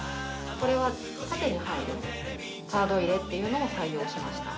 これは縦に入るカード入れっていうのを採用しました。